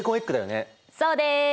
そうです！